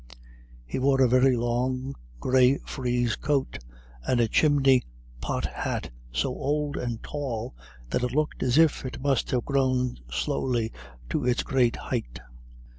He wore a very long, grey frieze coat, and a chimney pot hat so old and tall that it looked as if it must have grown slowly to its great height.